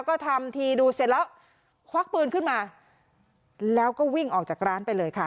ก็ทำทีดูเสร็จแล้วควักปืนขึ้นมาแล้วก็วิ่งออกจากร้านไปเลยค่ะ